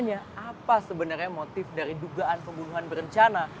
apa sebenarnya motif dari dugaan pembunuhan berencana